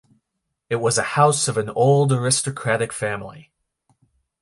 It was a house of an old aristocratic family.